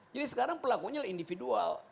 jadi sekarang pelakunya individual